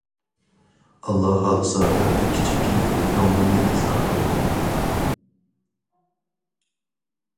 ئاللا خالىسا ئەتە كىچىككىنە كۆڭلۈمنى ئىزھار قىلىمەن.